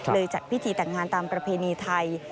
จัดพิธีแต่งงานตามประเพณีไทย